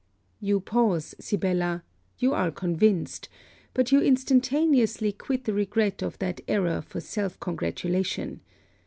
You pause, Sibella you are convinced: but you instantaneously quit the regret of that error for selfcongratulation.